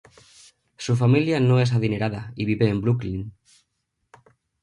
Su familia no es adinerada y viven en Brooklyn.